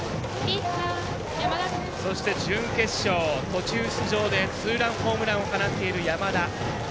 そして、準決勝、途中出場でツーランホームランを放っている山田。